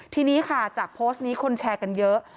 ทีนี้ค่ะจากโพสต์นี้คนแชร์กันเยอะ